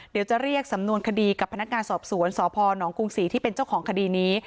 เดี๋ยวจะเรียกสำนวนคดีกับพนักงานสอบสวนสพนกรุงศรีที่เป็นเจ้าของคดีนี้